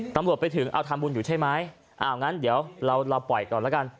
ตำรวจไปถึงเอาทำบุญอยู่ใช่ไหมอ้าวงั้นเดี๋ยวเราเราปล่อยก่อนแล้วกัน